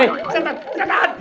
yang ini liat setan